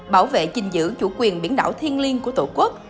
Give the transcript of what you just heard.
bảo vệ giữ chủ quyền biển đảo thiên liên của tổ quốc